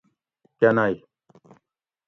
کنئ